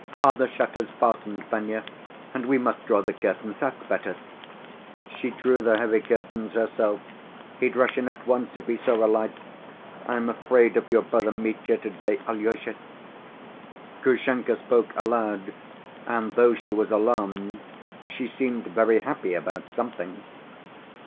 "Are the shutters fastened, Fenya? And we must draw the curtains—that's better!" She drew the heavy curtains herself. "He'd rush in at once if he saw a light. I am afraid of your brother Mitya to‐day, Alyosha." Grushenka spoke aloud, and, though she was alarmed, she seemed very happy about something.